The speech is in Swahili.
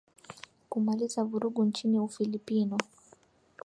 kumaliza vurugu nchini ufilipino